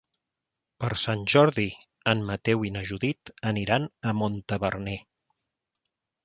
Per Sant Jordi en Mateu i na Judit aniran a Montaverner.